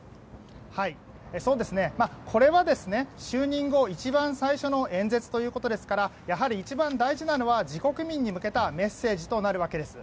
これは就任後一番最初の演説ということですからやはり、一番大事なのは自国民に向けたメッセージとなるわけです。